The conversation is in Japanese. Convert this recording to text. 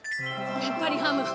やっぱりハム。